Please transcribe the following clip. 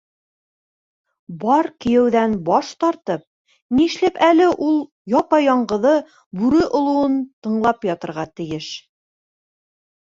Бар кейәүҙән баш тартып, нишләп әле ул япа-яңғыҙы бүре олоуын тыңлап ятырға тейеш?!